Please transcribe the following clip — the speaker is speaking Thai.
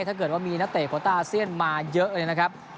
ถ้าเกิดว่ามีนักเตะโคต้าอาเซียนมาเยอะเลยนะครับ